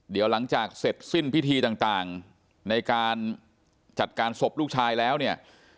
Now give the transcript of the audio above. เดี๋ยวหลังจากเสร็จสิ้นพิธีต่างในการจัดการศพลูกชายแล้วเนี่ย